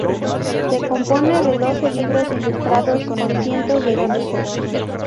Se compone de doce libros ilustrados con cientos de dibujos.